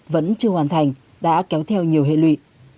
vẫn chưa hoàn thành đã kéo theo nhiều hệ lụy